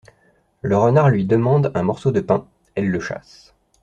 Le renard lui demande un morceau de pain ; elle le chasse.